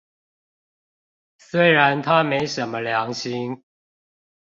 雖然他沒什麼良心